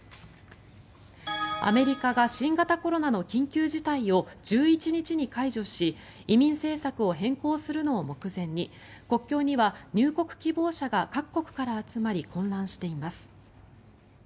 アメリカが新型コロナの緊急事態を１１日に解除し移民政策を変更するのを目前に国境には入国希望者が各国から集まり混乱しています。